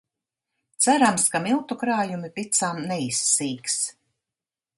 Cerams, ka miltu krājumi picām neizsīks.